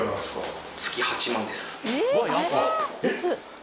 えっ？